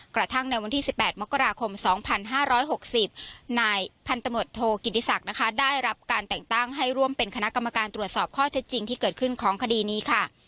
กระทั่งในวันที่๑๘มกราคม๒๕๖๐นายพันธมตโทกิติศักดิ์นะคะได้รับการแต่งตั้งให้ร่วมเป็นคณะกรรมการตรวจสอบข้อเท็จจริงที่เกิดขึ้นของคดีนี้ค่ะ